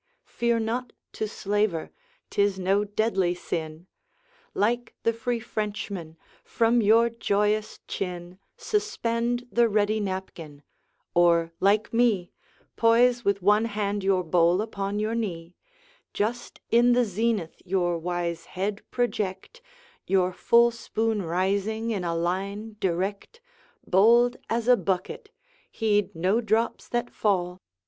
Fear not to slaver; 'tis no deadly sin; Like the free Frenchman, from your joyous chin Suspend the ready napkin; or like me, Poise with one hand your bowl upon your knee; Just in the zenith your wise head project, Your full spoon rising in a line direct, Bold as a bucket, heed no drops that fall.